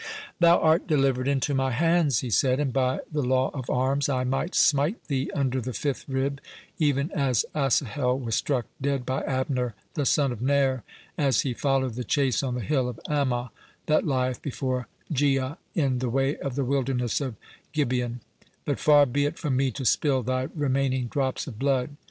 "Thou art delivered into my hands," he said, "and by the law of arms I might smite thee under the fifth rib, even as Asahel was struck dead by Abner, the son of Ner, as he followed the chase on the hill of Ammah, that lieth before Giah, in the way of the wilderness of Gibeon; but far be it from me to spill thy remaining drops of blood.